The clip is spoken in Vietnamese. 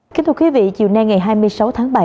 kính thưa quý vị chiều nay ngày hai mươi sáu tháng bảy